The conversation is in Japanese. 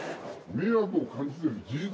迷惑を感じている事実？